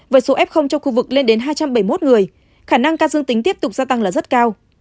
với số f trong khu vực lên đến hai trăm bảy mươi một người khả năng ca dương tính tiếp tục gia tăng là rất cao